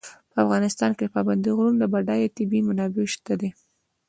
په افغانستان کې د پابندي غرونو بډایه طبیعي منابع شته دي.